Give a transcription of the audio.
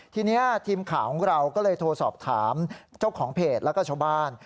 ทีนี้ทีมข่าวของเราก็เลยโทรสอบถามเจ้าของเพจแล้วก็ชาวบ้าน